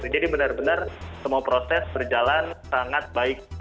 jadi benar benar semua proses berjalan sangat baik